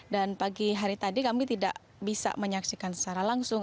dan pagi hari tadi kami tidak bisa menyaksikan secara langsung